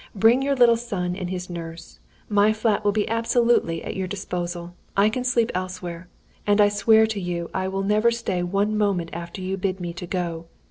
Bring your little son and his nurse. My flat will be absolutely at your disposal. I can sleep elsewhere; and I swear to you I will never stay one moment after you have bid me go.